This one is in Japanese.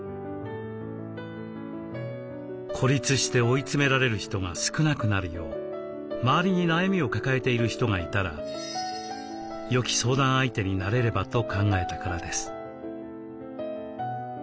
孤立して追い詰められる人が少なくなるよう周りに悩みを抱えている人がいたらよき相談相手になれればと考えたからです。